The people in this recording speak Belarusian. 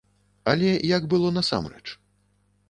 Але як было насамрэч?